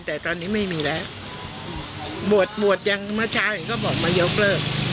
แต่ตอนนี้ไม่มีแล้วบวชบวชอย่างเมื่อเช้าเห็นก็บอกมายกเลิก